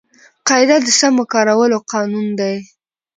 قاعده د سمو کارولو قانون دئ.